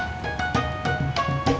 nlamakannya bela sebelum nafas